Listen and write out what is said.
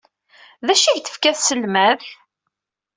D acu ay ak-d-tefka tselmadt?